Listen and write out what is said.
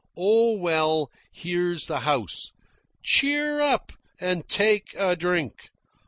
"Oh well, here's the house. Cheer up and take a drink.